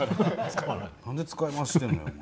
何で使い回ししてんだよお前。